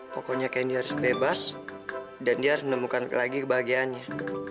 pokoknya kendi harus bebas dan dia harus menemukan lagi kebahagiaannya